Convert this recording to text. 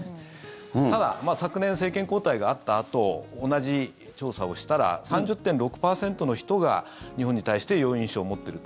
ただ、昨年政権交代があったあと同じ調査をしたら３０．６％の人が日本に対してよい印象を持ってると。